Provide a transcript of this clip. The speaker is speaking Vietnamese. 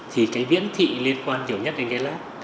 thì cái viễn thị liên quan nhiều nhất đến cái lát